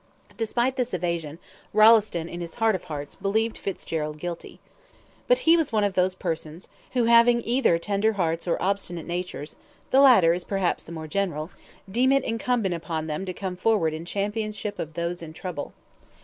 Despite this evasion, Rolleston, in his heart of hearts, believed Fitzgerald guilty. But he was one of those persons, who having either tender hearts or obstinate natures the latter is perhaps the more general deem it incumbent upon them to come forward in championship of those in trouble.